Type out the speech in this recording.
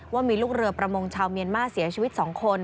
ว่ามีลูกเรือประมงชาวเมียนมาเสียชีวิต๒คน